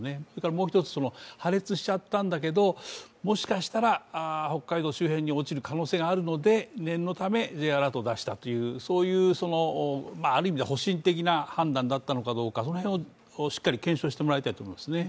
もう一つ、破裂しちゃったんだけどもしかしたら北海道周辺に落ちる可能性があるので念のためＪアラートを出したというそういうある意味では保身的な判断だったのか、その辺をしっかり検証してもらいたいと思いますね。